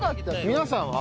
皆さんは？